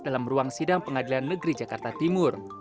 dalam ruang sidang pengadilan negeri jakarta timur